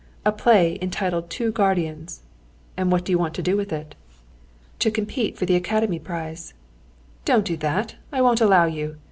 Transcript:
"A play entitled Two Guardians." "And what do you want to do with it?" "To compete for the Academy prize." "Don't do that! I won't allow you.